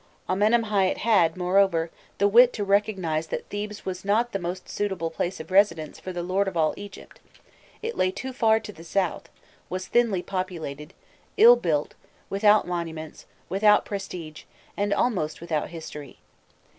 Amenemhâît had, moreover, the wit to recognize that Thebes was not the most suitable place of residence for the lord of all Egypt; it lay too far to the south, was thinly populated, ill built, without monuments, without prestige, and almost without history.